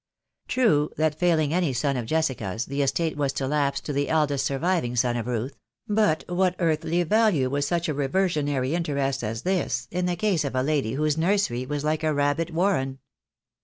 True that failing any son of Jessica's, the estate was to lapse to the eldest surviving son of Ruth; but what earthly value was such a reversionary interest as this in the case of a lady whose nursery was like a rab bit warren?